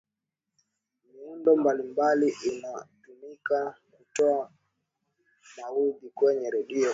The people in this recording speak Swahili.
miundo mbalimbali inatumika kutoa maudhi kwenye redio